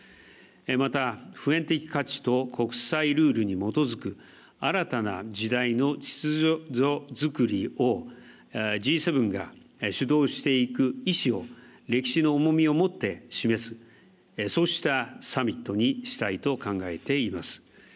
また、普遍的価値と国際ルールに基づく新たな時代の秩序づくりをＧ７が主導していく意思を歴史の重みをもって示す、そうしたサミットにしたいと考えています。